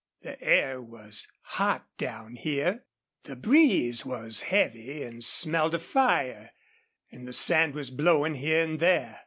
The air was hot down here. The breeze was heavy and smelled of fire, and the sand was blowing here and there.